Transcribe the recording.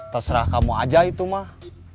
terserah kamu aja itu mah